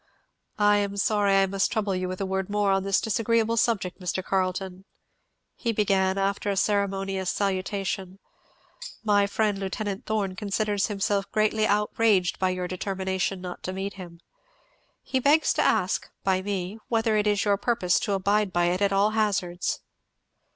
"I am sorry I must trouble you with a word more on this disagreeable subject, Mr. Carleton," he began, after a ceremonious salutation, "My friend, Lieut. Thorn, considers himself greatly outraged by your determination not to meet him. He begs to ask, by me, whether it is your purpose to abide by it at all hazards?"